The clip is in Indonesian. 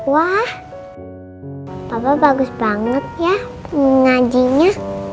wah papa bagus banget ya mengajinya